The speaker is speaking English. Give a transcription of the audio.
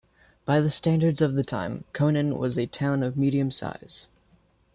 By the standards of the time, Konin was a town of medium size.